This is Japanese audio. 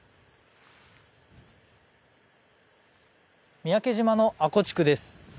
三宅島の阿古地区です。